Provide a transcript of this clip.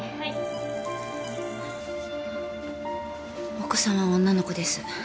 お子さんは女の子です。